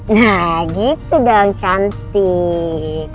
nah gitu dong cantik